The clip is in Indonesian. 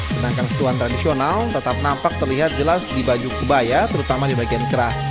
sedangkan setuan tradisional tetap nampak terlihat jelas di baju kebaya terutama di bagian kerah